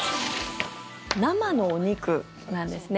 生のお肉なんですね。